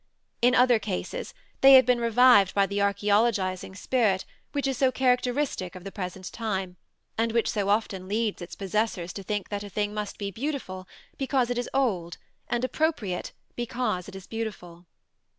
In other cases they have been revived by the archæologizing spirit which is so characteristic of the present time, and which so often leads its possessors to think that a thing must be beautiful because it is old and appropriate because it is beautiful.